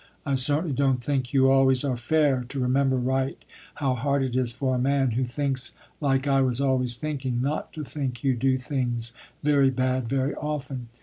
I certainly don't think you always are fair to remember right how hard it is for a man, who thinks like I was always thinking, not to think you do things very bad very often.